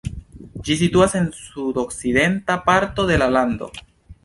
Ĝi situas en sudorienta parto de la lando.